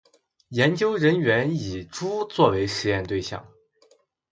研究人员以猪作为实验对象